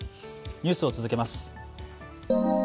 ニュースを続けます。